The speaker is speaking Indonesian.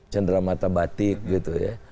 cendera mata batik gitu ya